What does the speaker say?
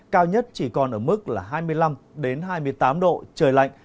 cao nhất chỉ còn ở mức là hai mươi năm hai mươi tám độ trời lạnh